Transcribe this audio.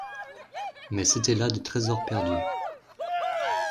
Mais c'etaient là des tresors perdus.